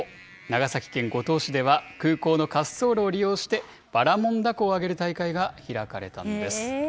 長崎県五島市では空港の滑走路を利用して、ばらもん凧を揚げる大会が開かれたんです。